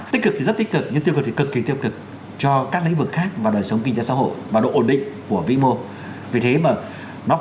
tích cực thì rất tích cực nhưng tiêu cực thì cực kỳ tiêu cực cho các lĩnh vực khác và đời sống kinh tế xã hội và độ ổn định của vĩ mô